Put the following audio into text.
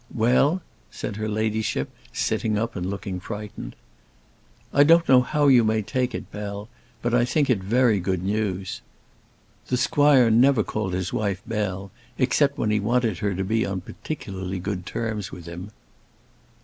"Well?" said her ladyship, sitting up and looking frightened. "I don't know how you may take it, Bell; but I think it very good news:" the squire never called his wife Bell, except when he wanted her to be on particularly good terms with him.